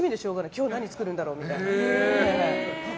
今日何作るんだろうみたいな。